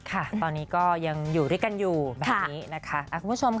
ค่ะตอนนี้ก็ยังอยู่ด้วยกันอยู่แบบนี้นะคะคุณผู้ชมค่ะ